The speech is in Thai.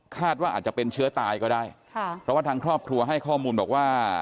ว่าอาจจะเป็นเชื้อตายก็ได้ค่ะเพราะว่าทางครอบครัวให้ข้อมูลบอกว่า